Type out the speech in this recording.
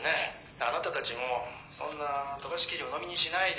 あなたたちもそんな飛ばし記事うのみにしないで」。